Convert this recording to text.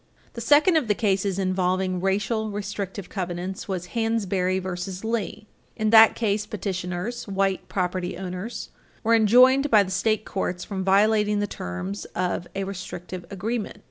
The second of the cases involving racial restrictive covenants was Hansberry v. Lee, 311 U. S. 32 (1940). In that case, petitioners, white property owners, were enjoined by the state courts from violating the terms of a restrictive agreement.